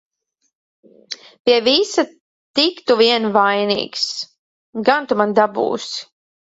Pie visa tik tu vien vainīgs! Gan tu man dabūsi!